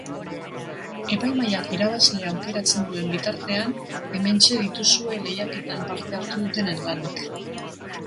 Epaimahaiak irabazlea aukeratzen duen bitartean, hementxe dituzue lehiaketan parte hartu dutenen lanak.